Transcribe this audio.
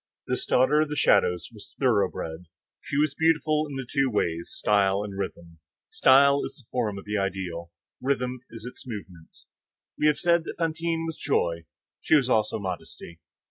This daughter of the shadows was thoroughbred. She was beautiful in the two ways—style and rhythm. Style is the form of the ideal; rhythm is its movement. We have said that Fantine was joy; she was also modesty.